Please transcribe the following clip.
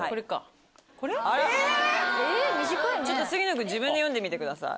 君自分で読んでみてください。